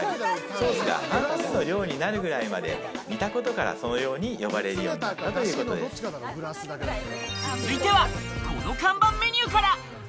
ソースが半分の量になるぐらいまで煮たことからそのように呼ばれ続いては、この看板メニューから。